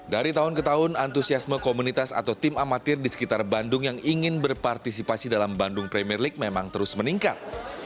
dari tahun ke tahun antusiasme komunitas atau tim amatir di sekitar bandung yang ingin berpartisipasi dalam bandung premier league memang terus meningkat